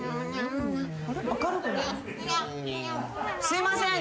すいません！